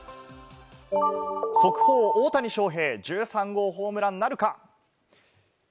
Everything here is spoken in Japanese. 速報、大谷翔平１３号ホームランなるか。